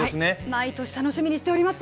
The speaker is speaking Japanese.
毎年、楽しみにしております！